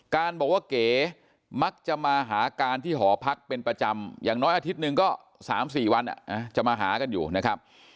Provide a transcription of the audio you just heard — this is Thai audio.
การบอกว่าเก๋มักจะมาหาการที่หอพักเป็นประจำอย่างน้อยอาทิตย์หนึ่งก็๓๔วันจะมาหากันอยู่นะครับ